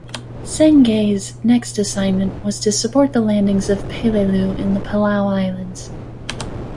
"Sangay's" next assignment was to support the landings on Peleliu in the Palau Islands.